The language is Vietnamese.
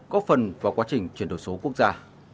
có phần vào quá trình chuyển đổi số quốc gia